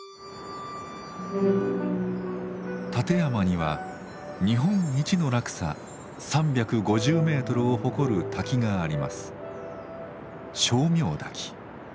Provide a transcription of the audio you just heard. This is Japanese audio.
立山には日本一の落差３５０メートルを誇る滝があります。